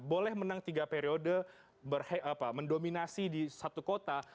boleh menang tiga periode mendominasi di satu kota